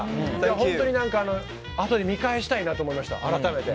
本当にあとで見返したいなと思いました、改めて。